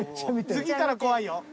次から怖いよ。